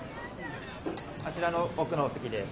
あちらの奥のお席です。